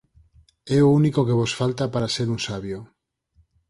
É o único que vos falta para ser un sabio.